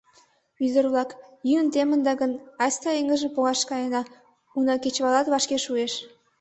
Ӱдыр-влак, йӱын темында гын, айста эҥыж погаш каена, уна кечывалат вашке шуэш.